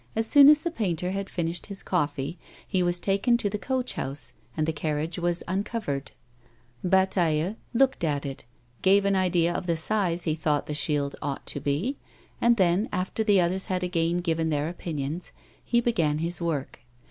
As soon as the painter had finished his coffee, he was taken to the coach house and the carriage was uncovered. Bataille looked at it, gave an idea of the size he thought the shield ought to be, and then, after the others had again given their opinions, he began his work.